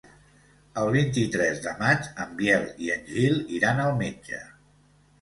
El vint-i-tres de maig en Biel i en Gil iran al metge.